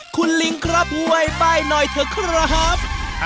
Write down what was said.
คุณลิงครับไวไปหน่อยเถอะครับ